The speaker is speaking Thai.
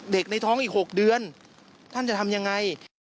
ในท้องอีก๖เดือนท่านจะทำยังไง